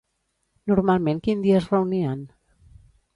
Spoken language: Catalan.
Normalment quin dia es reunien?